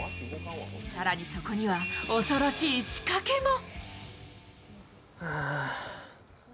更にそこには恐ろしい仕掛けも。